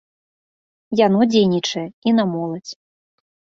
Яно дзейнічае і на моладзь.